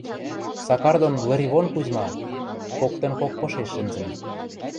Сакар дон Лыривон Кузьма, коктын кок пышеш шӹнзӹн